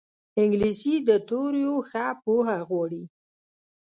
انګلیسي د توریو ښه پوهه غواړي